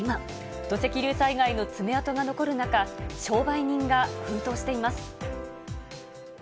土石流災害の爪痕が残る中、商売人が奮闘しています。